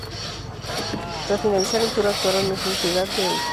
Tras finalizar el tour, actuaron en su ciudad de origen.